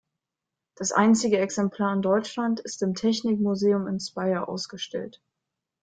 Das einzige Exemplar in Deutschland ist im Technikmuseum in Speyer ausgestellt.